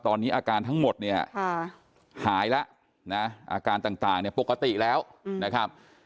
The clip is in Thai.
ตอนนี้อาการทั้งหมดเนี่ยหายแล้วนะอาการต่างเนี่ยปกติแล้วนะครับ